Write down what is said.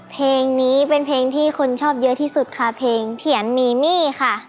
เพลงนี้เป็นเพลงที่คนชอบเยอะที่สุดค่ะเพลงเถียนมีมี่ค่ะ